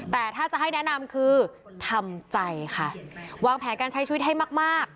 แต่ถ้าจะให้แนะนำคือทำใจค่ะวางแผนการใช้ชีวิตให้มากมาก